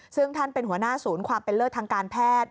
ซึ่งท่านเป็นหัวหน้าศูนย์ความเป็นเลิศทางการแพทย์